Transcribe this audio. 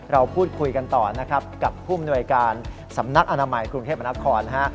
เราพูดคุยกันต่อกับผู้มนวยการสำนักอนามัยกรุงเทพฯมนักคล